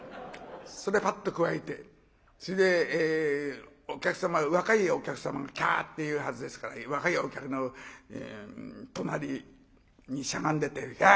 それパッとくわえてそれで若いお客様がキャって言うはずですから若いお客の隣にしゃがんでてうわっと出ていったんです。